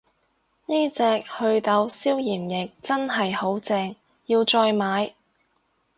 呢隻袪痘消炎液真係好正，要再買